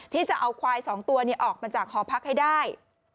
ที่จะเอาควาย๒ตัวออกมาจากหอพักให้ได้